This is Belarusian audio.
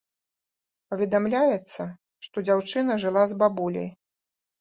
Паведамляецца, што дзяўчына жыла з бабуляй.